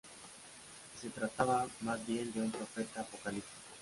Se trataba, más bien, de un profeta apocalíptico.